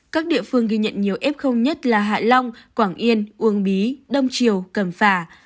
các địa phương ghi nhận nhiều f nhất là hạ long quảng yên uông bí đông triều cầm phả